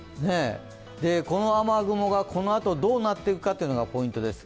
この雨雲がこのあと、どうなっていくのかがポイントです。